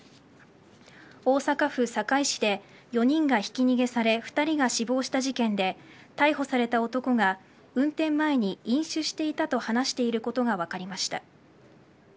大阪府堺市で４人がひき逃げされ２人が死亡した事件で逮捕された男が運転前に飲酒していたと話していることが分かりました。